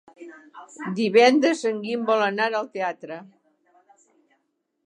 Divendres en Guim vol anar al teatre.